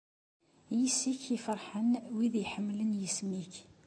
Yis-k i ferḥen wid iḥemmlen isem-ik.